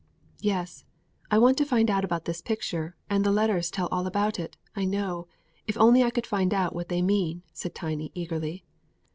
"Yes; I want to find out about this picture, and these letters tell all about it, I know if I only could find out what they mean," said Tiny, eagerly.